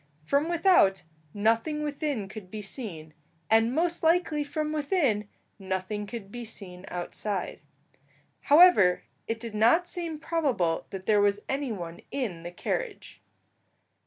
From without, nothing within could be seen, and most likely from within, nothing could be seen outside. However, it did not seem probable that there was any one in the carriage.